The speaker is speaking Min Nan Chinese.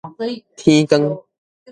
天光